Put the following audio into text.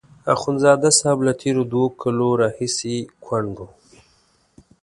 اخندزاده صاحب له تېرو دوو کالو راهیسې کونډ وو.